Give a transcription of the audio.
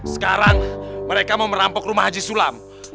sekarang mereka mau merampok rumah haji sulam